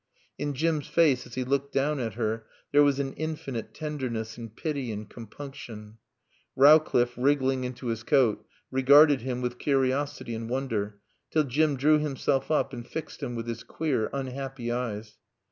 In Jim's face, as he looked down at her, there was an infinite tenderness and pity and compunction. Rowcliffe, wriggling into his coat, regarded him with curiosity and wonder, till Jim drew himself up and fixed him with his queer, unhappy eyes.